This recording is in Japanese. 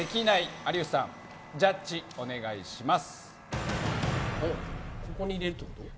有吉さん、ジャッジお願いします。